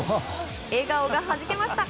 笑顔がはじけました。